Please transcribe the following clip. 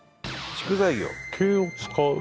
竹を使う？